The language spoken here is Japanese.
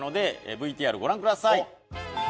ＶＴＲご覧ください。